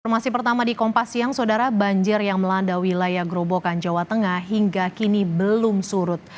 informasi pertama di kompas siang saudara banjir yang melanda wilayah gerobokan jawa tengah hingga kini belum surut